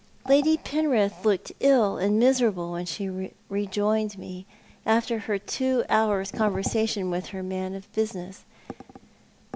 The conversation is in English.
Lady Penrith looked ill and miserable when she rejoined me, after her two hours' conversation with her man of business.